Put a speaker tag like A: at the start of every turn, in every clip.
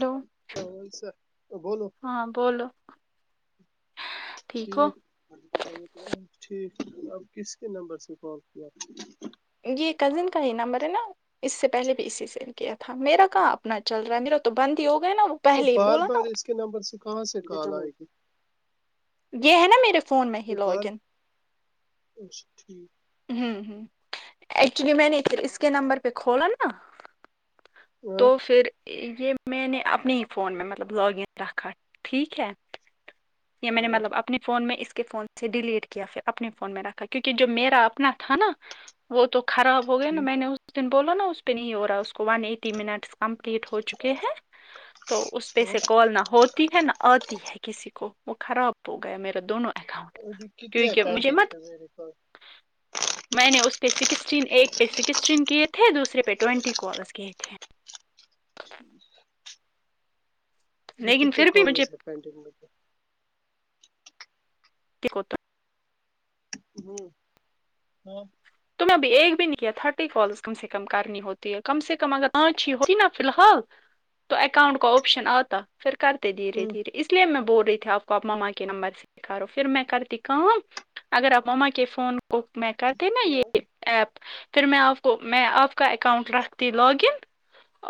A: Hello
B: تو ایسا تو بولو
A: ہاں بولو
B: ٹھیک ٹھیک اب کس کے نمبر سے کال کیا
A: جی یہ کزن کا ہی نمبر ہے نا اس سے پہلے بھی اس سے سینڈ کیا تھا میرا کہاں اپنا چل رہا ہے میرا تو بند ہی ہو گیا ہے نا وہ
B: تو
A: پہلے ہی
B: بار
A: بولا
B: بار
A: نا
B: اس کے نمبر سے کہاں سے کال آئے گی
A: یہ ہے نا میرے فون میں
B: او
A: ہی
B: باہر
A: لاگ ان
B: اچھا ٹھیک
A: ہوں ہوں ایکچولی میں نے پھر اس کے نمبر پہ کھولا نا تو
B: ہاں
A: پھر یہ میں نے اپنے ہی فون میں مطلب لاگ ان رکھا ٹھیک ہے یہ میں نے
B: ہاں
A: مطلب اپ نے فون میں اس کے فون سے ڈیلیٹ کیا پھر اپنے فون میں رکھا کیونکہ جو میرا اپنا تھا نا وہ تو خراب ہو گیا نا میں
B: ٹھیک
A: نے اس دن بولا نا اس پہ نہیں ہو رہا اس کو ون ایٹی منٹس کمپلیٹ ہو چکے ہیں تو اس پہ
B: اور
A: سے کال نہ ہوت تی ہے نا آتی ہے کسی کو وہ خراب ہو گیا میرا دونوں اکاؤنٹ
B: جی کتنے
A: کیونکہ مجھے
B: پینڈنگز
A: مت
B: ہیں میرے پاس
A: میں نے اس پہ سکسٹین ایک پہ سکسٹین کیے تھے دوسرے پہ ٹوینٹی کالز کیے تھے
B: ابھی
A: لیکن
B: کتنے
A: پھر بھی مجھے
B: کالز ہے پینڈنگ میں کے
A: [unintelligible]
B: ہوں ہاں
A: تم ابھی ایک بھی نہیں کیا تھرٹی کالز کم سے کم کرنی ہوتی ہے کم سے کم اگر پانچ ہی ہوتی نا فی الحال تو اکاؤنٹ کا آپشن آتا پھر کرتے دھیرے دھیرے اس اس لیے میں بول رہی تھی آپ کو آپ مما کے نمبر سے کرو پھر میں کرتی کام اگر آپ مما کے فون کو میں کرتے نا یہ ایپ پھر میں آپ کو میں آپ کا اکاؤنٹ رکھتی لاگ ان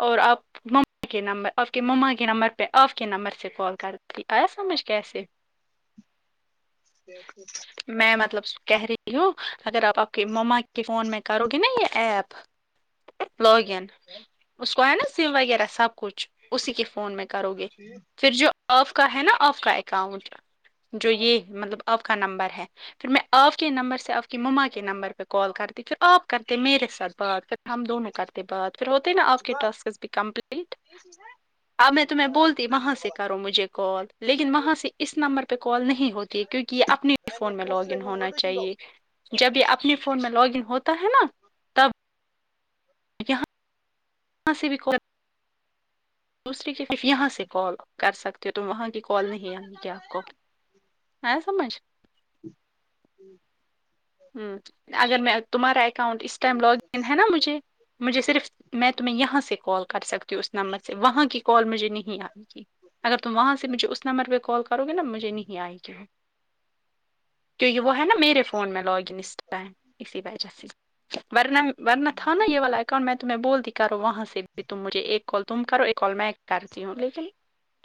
A: اور آپ ممی کے نمبر آپ کے مما کے نمبر پہ آپ کے نمبر سے کال کرتی آیا سمجھ کیسے
B: کیسے
A: میں مطلب کہہ رہی ہوں اگر آپ آپ کی مما کے فون میں کرو گی نا یہ ایپ لاگ ان اس کو ہے نا سم وغیرہ سب کچھ اسی کے فون میں کرو گے
B: ٹھیک
A: پھر جو آپ کا ہے نا آپ کا اکاؤنٹ جو یہ مطلب آپ کا نمبر ہے پھر میں آپ کے نمبر سے آپ کی مما کے نمبر کال کرتے پھر آپ کرتے میرے ساتھ بات پھر ہم دونوں کرت تے بات پھر ہوتے نا آپ کے ٹاسکس بھی کمپلیٹ
B: [unintelligible]
A: اب میں تمہیں بولتی وہاں سے کرو مجھے کال لیکن وہاں سے اس نمبر پہ کال نہیں ہوتی ہے کیونکہ یہ اپنی ہی فون میں لاگ ان ہونا چاہیے جب یہ اپنے فون میں لاگ ان ہوتا ہے نا تب یہاں ہاں سے بھی دوسری کہ صرف یہاں سے کال کر سکتے ہو تو وہاں کی کال نہیں آ گی کیا آپ کو ایا سمجھ
B: جوں
A: ہوں اگر میں تمہارا اکاؤنٹ اس ٹائم لاگن ہے نا مجھے مجھے صرف میں تمہیں یہاں سے کال کر سکتی ہوں اس نمبر سے وہاں کی کال مجھے نہیں آئے گی اگر تم وہاں سے مجھے اس نمبر پہ کال کرو گے نا مجھے نہیں آئے گی کیونکہ وہ ہے نا میرے فون میں لاگ ان اس ٹائم ای وجہ سے ورنہ ورنہ تھا نا یہ والا اکاؤنٹ میں تمہیں بول دی کرو وہاں سے بھی تم مجھے ایک کال تم کرو ایکال میں کرتی ہوں لیکن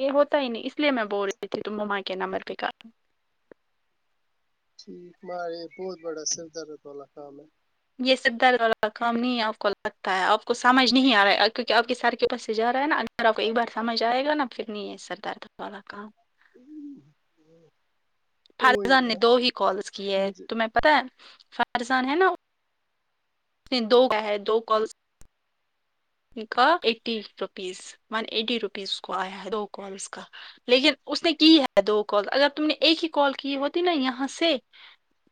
A: یہ ہوتا ہی نہیں اس اسے میں بول رہی تھی تم مما کے نمبر پے کرو
B: ٹا مارے یہ بہت بڑا سردارد والا کام ہے
A: یہ سد درد والا کام نہیں آپ کو لگتا ہے آپ کو سمجھ نہیں آ رہا کیوںکہ آپ کے سر کے پس سے جا رہا ہے نا سر آپ کو ایک بار سمجھ آئے گا نا پھر نہیں ہے سر دارد والا کام
B: کوئی
A: فارزان نے
B: نہ
A: دو ہی کالس کی ہے
B: مجھے
A: تمہیں پتاہ فارزان ہے نا دو میں ہے دو کال ان کا eighty rupees one eighty rupees کو آیا ہے دو کالس کا لیکن اس نے کی ہے دو کال اگر تم نے ایک ہی کال کی ہوتی نا یہاں سے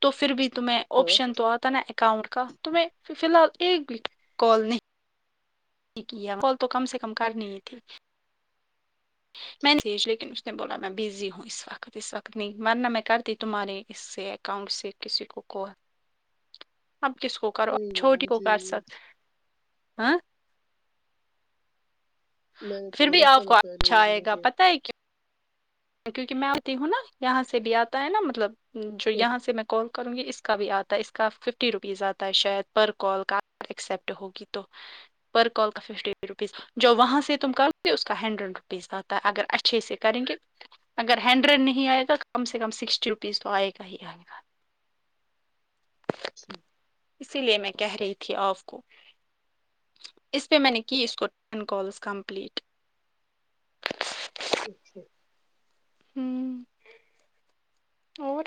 A: تو پھر بھی تمہیں
B: ہاں
A: آپشن تو آتا نا اکاؤنٹ کا تمہیں فی الحال ایک بھی کال نہیں یک ہے فال تو کم سے کم کرنی تھی میںج لیکن اس نے بولا میں بزی ہوں اس وقت اس وقت نہیں ورن میں کرتی تمہارے سے اکاؤنٹ سے کسی کو کول اب کس کو کرو
B: کوئی
A: آپ
B: نہ
A: چھوٹی کو
B: مجھے
A: کر سکتے ہاں
B: میں نے
A: پھر بھی
B: بولا
A: آپ
B: تھا
A: کو
B: نا پہلے
A: اچھا آئے گا
B: مجھے
A: پتا ہے کیا کیونکہ میں آتی ہوں نا یہاں سے بھی آتا ہے نا مطلب جو یہاں سے میں کال کروں گی اس کا بھی آتا ہے اس کا ففٹی روپیز آتا ہے شاید پر کال کا ایکسیپٹ ہوگا تو پر کال کا ففٹی روپیز جو وہاں سے تم کرو اس کا ہنڈریڈ روپیز آتا ہے اگر اچھے سے کریں گے اگر ہنڈریڈ نہیں آئے گا کم سے کم سکسٹی روپیز تو آئے گا ہی آئے گا
B: اچھا
A: اسی لیے میں کہہ رہی تھی آپ کو اس پہ میں نے کی اس کو ٹین کالز کمپلیٹ
B: اچھا
A: ہوں اور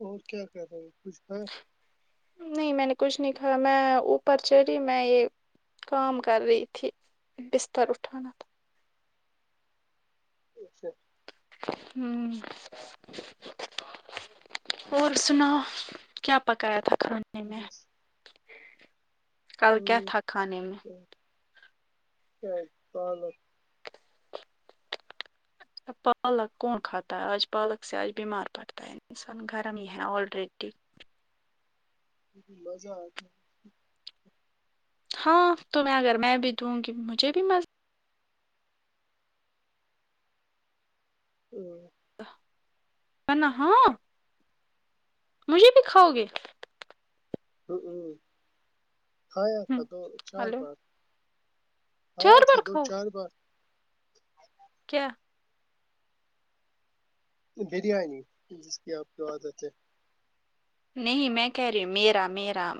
B: اور کیا کہ رہے ہے کچھ گ
A: نہیں میں نے کچھ نہیں کہا میں اوپر چڑ رہی میں یہ کام کر رہی تھی بستر اٹھانا تھا
B: اچھا
A: ہوں اور سنا کیا پکایا تھاکھر کھانے میں
B: بس
A: کل کیا تھاکان میں
B: اج پالک
A: اچھا پالک کون کھاتا ہے آج پالک سے آج بیمار پڑتا ہے انسان گرم ہی ہے آلرییڈی
B: ک مزہ آتی
A: ہاں تو میں اگر میں بھی دوں گی مجھے بھی مز
B: ہوں
A: نا ہاں مجھے بھی کھاؤ گے
B: ہ ہ ہ کھایا تھا دو چار
A: ہلو
B: بار آیا
A: چار
B: تھا
A: بار
B: دو
A: کھاؤ
B: چار بار
A: کیا
B: بریانی جس کی آپ کو عادت ہے
A: نہیں میں کہہ رہی میرا میرا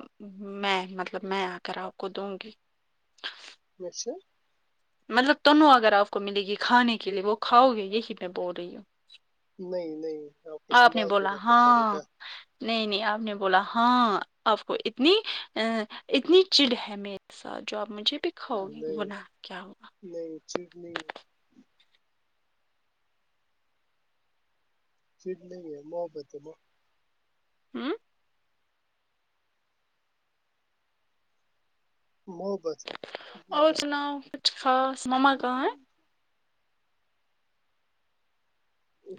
A: میں مطلب میں اگر آپکو دوں گی
B: [unintelligible]
A: مطلب تنو اگر آپ کو ملے گی کھانے کے لیے وہ کھاؤ گے یہی میں بول رہی ہوں
B: نہیں نہیں آپ کو
A: آپ نے
B: سنبھال کے
A: بولا
B: رکھنا پڑے
A: ہاں
B: گا
A: نہیں نہیں آپ نے بولا ہاں آپ کو اتنی اہ اتنی چڑ ہے میرے ساتھ جو آپ مجھے بھی کھاؤ گے
B: نہیں
A: گناہ کیا ہوا
B: نہیں چٹنی چٹ نہیں ہے محبت ہے نہ
A: ہوں
B: پو پوپ
A: اور سناؤ کچھ خاص مما کہا ہیں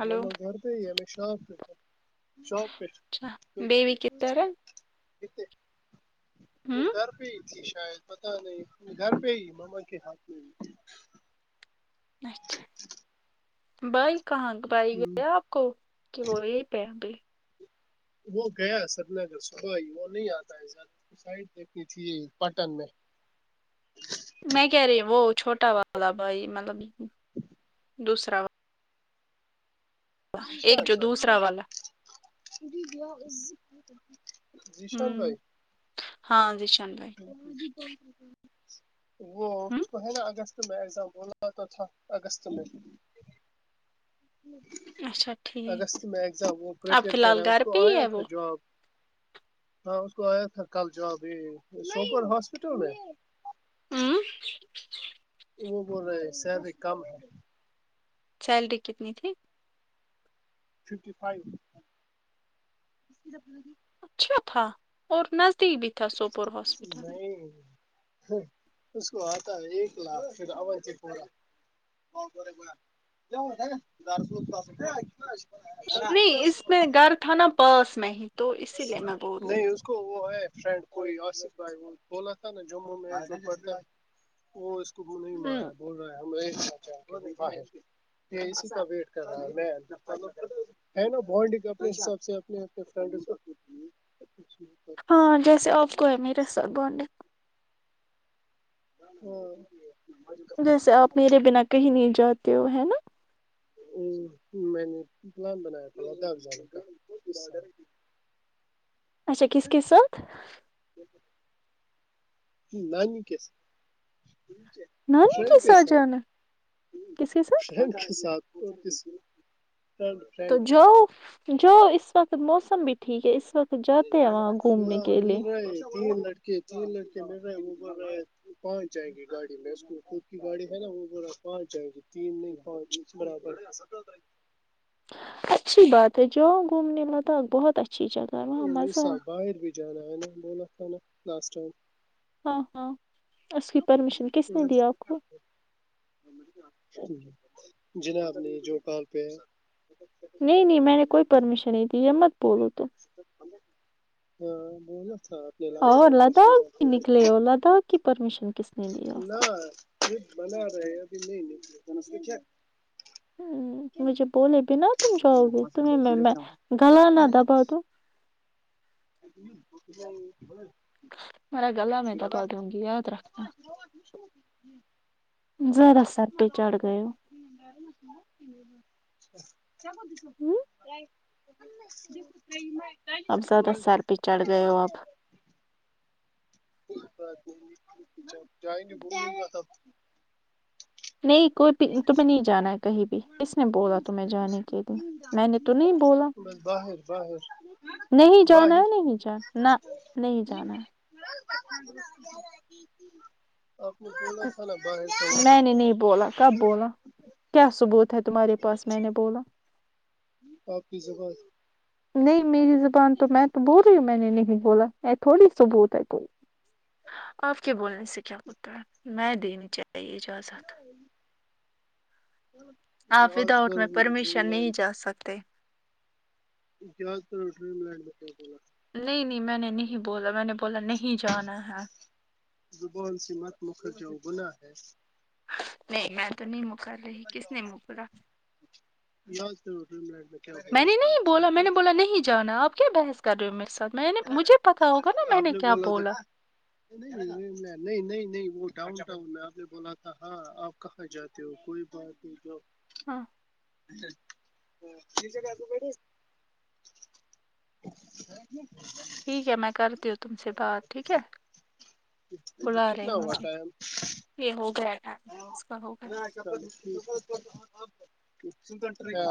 A: ہلو
B: مما گھر پے ہی ہے مئی شاپ پے تھا شاپ پے
A: اچھا
B: تو
A: بیوی کدھر ہے
B: وہ
A: ہوں
B: گھر پے ہی تھی شاید پتا نہیں گھر پہ ہی ماما کے ہاتھ میں بھی
A: اچھا بائی کہاں بائی
B: ہی۔
A: گیا کو کہ وہ یہی پیا ابھی
B: وہ گیا سری نگر صبح ہی وہ نہیں آتا ہے سائڈ دیکھنی تھی پٹن میں
A: میں کہہ رہی وہ چھوٹا والا بھائی مطلب دوسرا والا ایک
B: ذیشان
A: جو
B: بھای
A: دوسرا والا
B: ذیشان بھای
A: ہوں ہاں زیشان بھای
B: تیرج پمپ کو وہ
A: ہوں
B: اس کو ہے نا اگست میں ایگزام بولا تو تھا اگست میں
A: اچھا ٹھیک
B: اگست میں ایگزام وہ
A: اب
B: پریپیئر کر
A: فیلحل
B: رہا ہے
A: گھر
B: اس
A: پے
B: کو
A: ہی
B: آیا
A: ہے وہ
B: تھا
A: [inaudible]
B: جاب ہاں اس کو آیا تھا کل جوب ہی سوپر ہاسپٹل میں
A: اوں
B: وہ بول رہے سالاری کم ہے
A: سالاری کتنی تھی
B: ففٹی فائیو
A: اچھا تھا اور نزدیک بھی تھا سوپور ہاسپٹل
B: اہ ہوہ اس کو آتا ہے ایک لاکھ پر ہاور پڑا [unintelligible]
A: کچھ نہیں اس میں گھر تھا نا پاس میں ہی تو اسی لیے میں بول رہی
B: نہیں اس کو وہ ہے فرینڈ کوئی آصف بھائی وہ بولا تھا نا جموں میں وہ اس کو وہ نہیں مار رہا
A: ہوں
B: ہے بول رہے اسی کا ویٹ کر رہا ہوں میں ہے نا بانڈ اپنے حساب سے اپنے اپنے فرینڈ
A: ہاں جیسے آپ کو ہے میرے سات بانڈ
B: ہ
A: جیسے آپ میرے بنا کہیں نہیں جاتے ہو ہے نا
B: ہمم میں نے پلان بنایا تھاگ جان کا
A: اچھا کس کس ساتھ
B: یھیک نانی کے ساتھ فرینڈ کے ساتھ
A: کس کے ساتھ
B: فرینڈ کے ساتھ اور کس
A: تو جو جو اس اس وقت موسم بھی ٹھیک ہے اس وقت
B: فی
A: جاتے ہیں وہاں گھومنے
B: الحال
A: کے
B: مل
A: لیے
B: رہے ہیں تین لڑکے تین لڑکے مل رہے وہ بول رہے پہنچ جائیں گے گاڑی میں اس کو خود کی گاڑی ہے نا وہ پانچ جائے گی تین نہیں پانچ برابر
A: اچھی بات ہے جاؤں گھومنے مداق بہت اچھی جگہ ہے وہاں
B: ہمم اس
A: مزہ ہے
B: سال باہر بھی جانا ہے بولا تھا نا لسٹ ٹائم
A: ہاں ہاں اس کی پرمیشن کس نے دیا آپ کو
B: جنا اپ نے جو کال پہ
A: نہیں نہیں میں نے کوئی پرمیشن نہیں دی مت بولو تم
B: ہاں بول تھا آپ نے لاسٹ
A: اور
B: ٹائم
A: لداخ
B: ریسٹورینٹ
A: کی
B: پہ
A: نکلے ہو لداخ کی پرمیشن کس نے دی آپ
B: نہ
A: کو
B: یہ بنا رہے ابھی نہیں نکلے کیا
A: مجھے بولے بنا تم جاؤ
B: ہمم
A: گے
B: پسند
A: تمہیں میں میں گلا نہ دبا دوں میرا گلا میں دبا دوں گی یاد رکھنا
B: [unintelligible]
A: زیادہ سر پے چڑھ گئے ہو
B: [unintelligible] کیا بول تی تو نہیں کچھ بھی
A: اب زیادہ سر پہ چڑھ گیے ہو آپ
B: کوئی بات نہیں جب جائے ہے بول دیں گے تب [unintelligible]
A: نہیں کوئی بھی تمہیں نہیں جانا ہے کہیں بھی کس نے بولا تمہیں جانے کے لیے میں نے تو نہیں بولا
B: بس باہر باہر
A: نہیں جانا
B: باہر
A: ہے نہیں جانا نہ نہیں جانا
B: آپ نے بولا
A: ہے
B: تھا نا باہرکا
A: میں نے نہیں بولا کب بولا کیا ثبوت ہے تمہارے پاس میں نے بولا
B: آپ کی زبان
A: نہیں میری زبان تو میں تو بول رہی ہوں میں نے نہیں بولا ای تھوڑی ثبوت ہے کوئی آپ کے بولنے سے کیا ہوتا ہے میں دینی چاہی چاہے اجازت آپ
B: یاد
A: وداؤٹ
B: کرو
A: میں
B: بھول
A: پرمیشن
B: گے
A: نہیں جا سکتے
B: کیا کر ڈریم لینڈ بتا بولا
A: نہیں نہیں میں نے نہیں بولا میں نے بولا نہیں جانا ہے
B: زبان سے مت مکھر جاؤ گنا ہے
A: نہیں میں تو نہیں مکر رہی کس نے مکرا
B: یاد کرو پھر میں نے کیا
A: میں
B: بولا
A: نے
B: تھا
A: نہیں بولا میں نے بولا نہیں جانا آپ کیا بحث کر رہے ہو میرے ساتھ میں نے مجھے پتا ہوگا نا
B: نے
A: میں
B: آپ
A: نے کیا بولا
B: تھا نہیں نہیں میں نہیں نہیں نہیں وہ ڈاؤن ٹاؤن میں آپ نے بولا تھا ہاں آپ کہاں جاتے تو کوئی بات ہے تو
A: ہاں
B: [unintelligible]
A: ٹھیک ہے میں کرتی ہوں تم سے بات ٹھیک ہے بلا رہے
B: کتنا
A: ہیں
B: ہوا
A: مجھے
B: ٹائم
A: یہ ہوگیا ہے
B: ہاںن [unintelligible]